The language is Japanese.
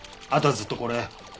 あとはずっとこれ。